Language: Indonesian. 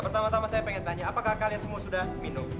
pertama tama saya pengen tanya apakah kalian semua sudah minum